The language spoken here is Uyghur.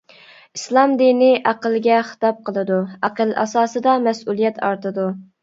ئىسلام دىنى ئەقىلگە خىتاب قىلىدۇ، ئەقىل ئاساسىدا مەسئۇلىيەت ئارتىدۇ.